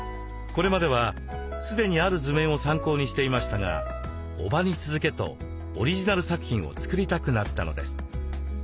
これまでは既にある図面を参考にしていましたが伯母に続けとオリジナル作品を作りたくなったのです。